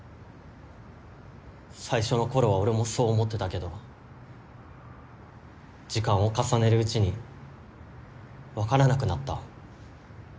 最初のころは俺もそう思ってたけど時間を重ねるうちに分からなくなった。